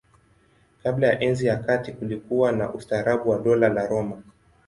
Kabla ya Enzi ya Kati kulikuwa na ustaarabu wa Dola la Roma.